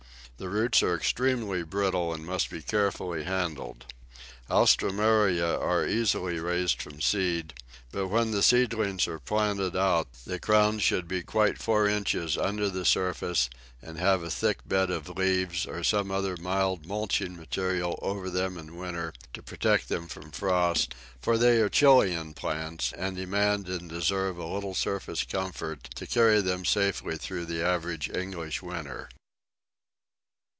The roots are extremely brittle, and must be carefully handled. Alströmerias are easily raised from seed, but when the seedlings are planted out the crowns should be quite four inches under the surface, and have a thick bed of leaves or some other mild mulching material over them in winter to protect them from frost, for they are Chilian plants, and demand and deserve a little surface comfort to carry them safely through the average English winter.